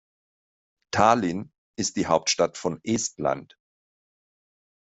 Tallinn ist die Hauptstadt von Estland.